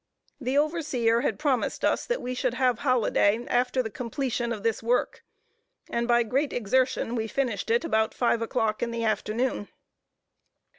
The overseer had promised us that we should have holiday after the completion of this work, and by great exertion, we finished it about five o'clock in the afternoon.